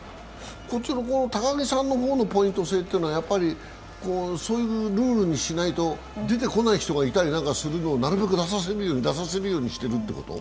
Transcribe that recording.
こっちの高木さんのほうのポイント制は、そういうルールにしないと出てこない人がいたりするのをなるべく出させるようにしているということ？